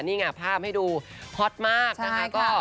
นี่ไงภาพให้ดูฮอตมากนะคะ